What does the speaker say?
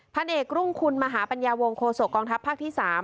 พันเอกรุ่งคุณมหาปัญญาวงโคศกองทัพภาคที่๓